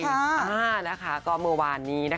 ว้างนะคะก็เมื่อวานนี้